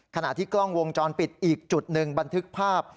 ขณะที่กล้องวงจรปิดอีกจุดหนึ่งบันทึกภาพ